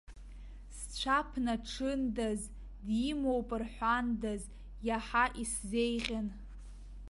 Сцәа ԥнаҽындаз, димоуп рҳәандаз, иаҳа исзеиӷьын.